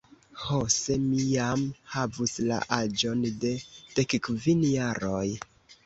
Ho, se mi jam havus la aĝon de dekkvin jaroj!